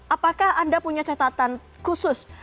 apakah anda punya catatan khusus